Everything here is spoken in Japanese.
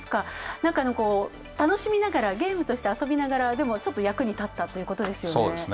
楽しみながら、ゲームとして遊びながらでも、役に立ったっていうことですよね。